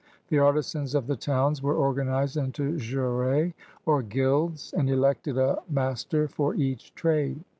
The artisans of the towns were organized into juris or guilds, and elected a master for each trade.